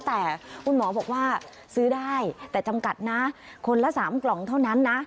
แต่คุณหมอบอกว่าซื้อได้แต่จำกัดนะคนละ๓กล่องเท่านั้นนะ